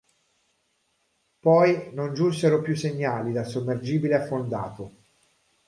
Poi non giunsero più segnali dal sommergibile affondato.